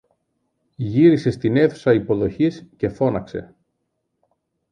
Γύρισε στην αίθουσα υποδοχής και φώναξε